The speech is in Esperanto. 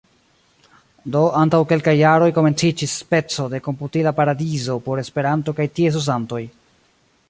Do antaŭ kelkaj jaroj komenciĝis speco de komputila paradizo por Esperanto kaj ties uzantoj.